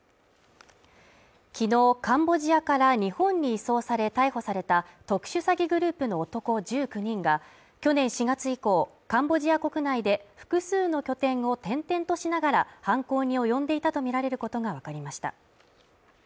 昨日カンボジアから日本に移送され逮捕された特殊詐欺グループの男１９人が去年４月以降、カンボジア国内で複数の拠点を転々としながら犯行に及んでいたとみられることがわかりました。